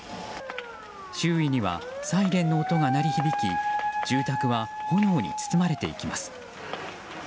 周囲にはサイレンの音が鳴り響き住宅は炎に包まれていきます。